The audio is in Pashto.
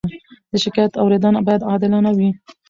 د شکایت اورېدنه باید عادلانه وي.